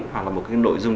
hoặc là một cái nội dung